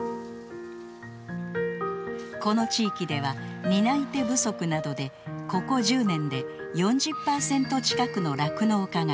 この地域では担い手不足などでここ１０年で４０％近くの酪農家が離農。